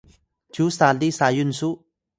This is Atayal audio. cyu sali Sayun su?